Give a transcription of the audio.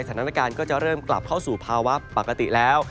สถานการณ์ก็จะเริ่มกลับเข้าสู่ภาวะปกติแล้ว